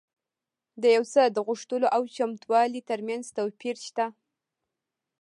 د یو څه د غوښتلو او چمتووالي ترمنځ توپیر شته